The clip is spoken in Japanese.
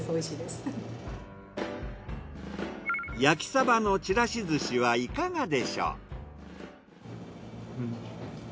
焼きサバのちらし寿司はいかがでしょう。